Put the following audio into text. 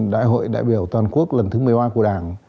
đại hội đại biểu toàn quốc lần thứ một mươi ba của đảng